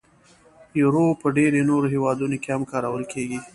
یورو په ډیری نورو هیوادونو کې هم کارول کېږي.